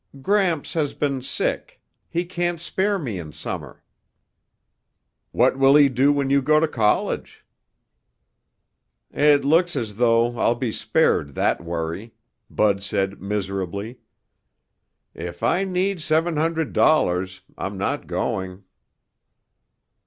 "Gramps has been sick. He can't spare me in summer." "What will he do when you go to college?" "It looks as though I'll be spared that worry," Bud said miserably. "If I need seven hundred dollars, I'm not going."